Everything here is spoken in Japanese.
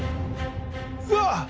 うわっ。